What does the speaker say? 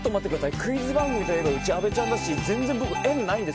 クイズ番組といえばうち、阿部ちゃんだし全然僕、縁ないんです。